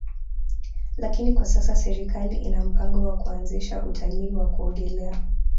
Lakini kwa sasa serikali ina mpango wa kuanzisha utalii wa kuogelea